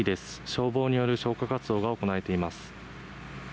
消防による消火活動が行われています。